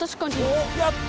おっやった！